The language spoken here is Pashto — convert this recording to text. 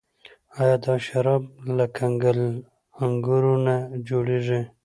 آیا دا شراب له کنګل انګورو نه جوړیږي؟